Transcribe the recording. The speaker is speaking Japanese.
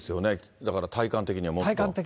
だから体感的にはもっと。